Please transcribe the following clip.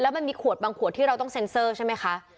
มันมีขวดบางขวดที่เราต้องเซ็นเซอร์ใช่ไหมคะ